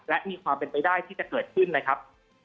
และมีความเป็นไปได้ที่จะเกิดขึ้นนะครับ